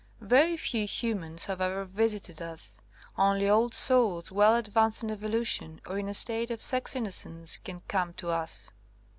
Very few humans have ever visited us. Only old souls well advanced in evolution or in a state of sex innocence can come to us."